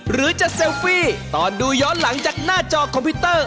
หรือจะเซลฟี่ตอนดูย้อนหลังจากหน้าจอคอมพิวเตอร์